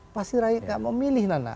pasti rakyat gak mau milih nana